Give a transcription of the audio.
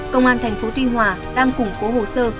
công an tp tuy hòa đang củng cố hồ sơ